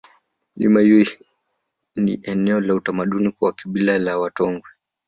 milima hiyo ni eneo la utamaduni kwa kabila la watongwe